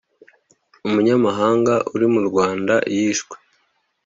Umunyamahanga uri mu Rwanda yishwe